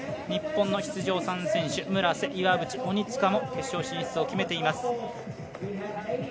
日本の出場３選手、村瀬、岩渕鬼塚も決勝進出を決めています。